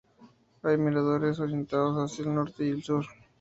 Hay miradores orientados hacia el norte y el sur.